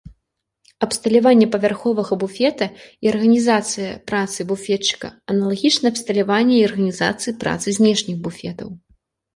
Абсталяванне павярховага буфета і арганізацыя працы буфетчыка аналагічныя абсталявання і арганізацыі працы знешніх буфетаў.